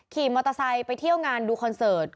ขี่มอเตอร์ไซค์ไปเที่ยวงานดูคอนเสิร์ต